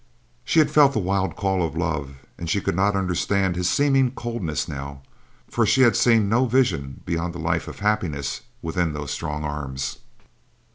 She had felt the wild call of love and she could not understand his seeming coldness now, for she had seen no vision beyond a life of happiness within those strong arms.